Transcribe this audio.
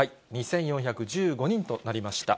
２４１５人となりました。